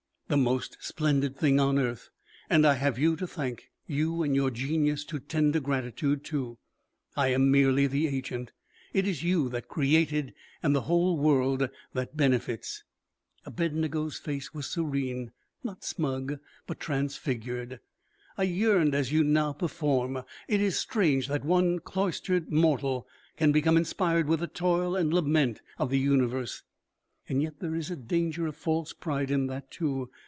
"The most splendid thing on earth! And I have you to thank, you and your genius to tender gratitude to. I am merely the agent. It is you that created and the whole world that benefits." Abednego's face was serene not smug, but transfigured. "I yearned as you now perform. It is strange that one cloistered mortal can become inspired with the toil and lament of the universe. Yet there is a danger of false pride in that, too.